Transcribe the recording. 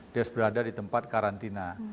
dia berada di tempat karantina